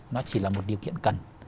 nó chỉ là một điều kiện cần